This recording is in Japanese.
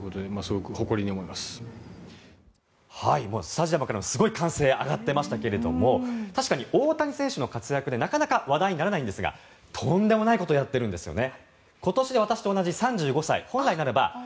スタジアムからもすごい歓声が上がっていましたが確かに大谷選手の活躍でなかなか話題にならないんですがとんでもないことをやっているんですね。